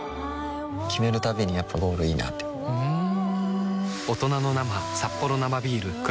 決めるたびにやっぱゴールいいなってふん